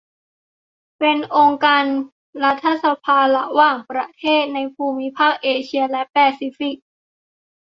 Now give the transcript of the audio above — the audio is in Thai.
เป็นองค์การรัฐสภาระหว่างประเทศในภูมิภาคเอเชียและแปซิฟิก